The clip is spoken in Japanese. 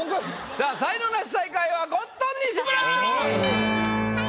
さあ才能ナシ最下位はコットン西村！